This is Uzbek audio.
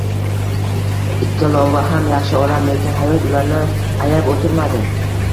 Ikkalovi ham yaxshi odam, lekin hayot ularni ayab o`tirmadi